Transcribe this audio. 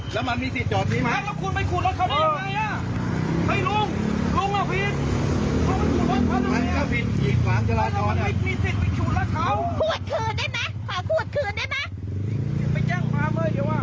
ข่าวขวดขืนได้ไหม